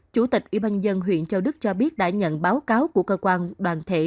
chủ tịch ủy ban nhân dân huyện châu đức cho biết đã nhận báo cáo của cơ quan đoàn thể